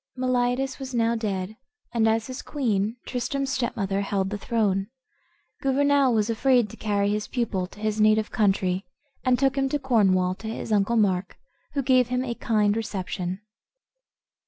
Meliadus was now dead, and as his queen, Tristram's stepmother, held the throne, Gouvernail was afraid to carry his pupil to his native country, and took him to Cornwall, to his uncle Mark, who gave him a kind reception.